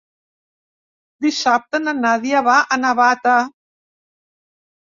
Dissabte na Nàdia va a Navata.